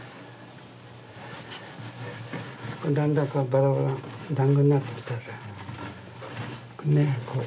だんだんバラバラだんごになってきた。